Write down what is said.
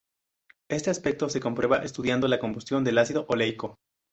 Este aspecto se comprueba estudiando la combustión del ácido oleico.